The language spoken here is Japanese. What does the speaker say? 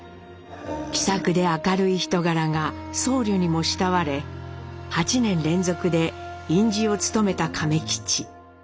気さくで明るい人柄が僧侶にも慕われ８年連続で院士を務めた亀吉。